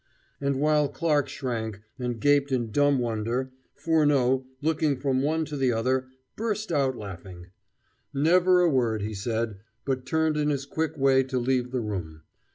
And while Clarke shrank, and gaped in dumb wonder, Furneaux, looking from one to the other, burst out laughing. Never a word he said, but turned in his quick way to leave the room.